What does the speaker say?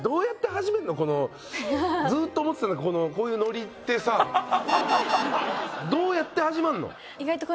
ずっと思ってたんだけどこのこういうノリってさどうやって始まんの？